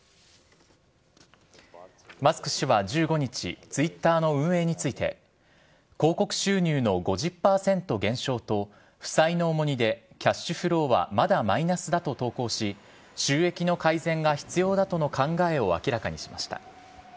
マスク氏は１５日、ツイッターの運営について、広告収入の５０％減少と、負債の重荷でキャッシュフローはまだマイナスだと投稿し、収益の改善が必要だとの考えを明らかにしました。